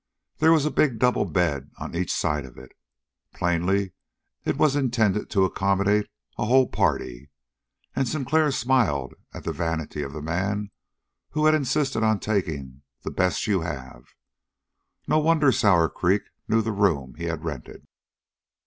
There was a big double bed on each side of it. Plainly it was intended to accommodate a whole party, and Sinclair smiled at the vanity of the man who had insisted on taking "the best you have." No wonder Sour Creek knew the room he had rented.